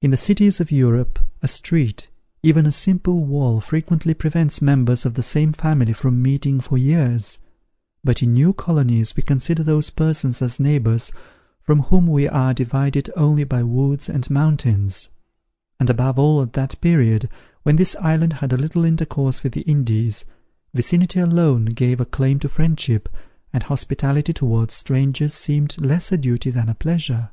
In the cities of Europe, a street, even a simple wall, frequently prevents members of the same family from meeting for years; but in new colonies we consider those persons as neighbours from whom we are divided only by woods and mountains; and above all at that period, when this island had little intercourse with the Indies, vicinity alone gave a claim to friendship, and hospitality towards strangers seemed less a duty than a pleasure.